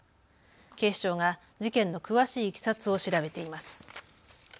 警視庁が事件の詳しいいきさつを調べています。